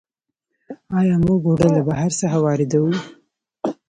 آیا موږ اوړه له بهر څخه واردوو؟